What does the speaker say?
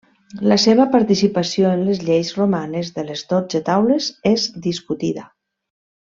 La seva participació en les lleis romanes de les dotze taules és discutida.